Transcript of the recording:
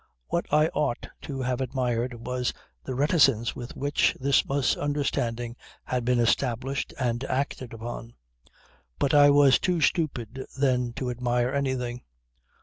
What I ought to have admired was the reticence with which this misunderstanding had been established and acted upon. But I was too stupid then to admire anything.